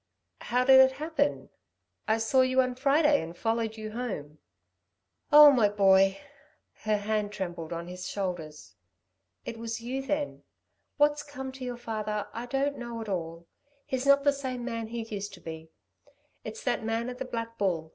"How did it happen? I saw you on Friday and followed you home." "Oh, my boy!" Her hand trembled on his shoulders. "It was you then? What's come to your father I don't know at all. He's not the same man he used to be. It's that man at the Black Bull.